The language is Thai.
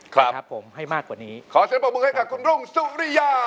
ครับขอเชิญประบบมือให้กับคุณรุ่งสุริยา